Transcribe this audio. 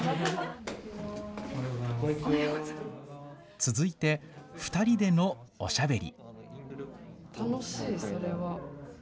続いて２人でのおしゃべり。